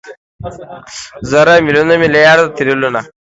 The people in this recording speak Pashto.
زره، ميليونه، ميليارده، تريليونه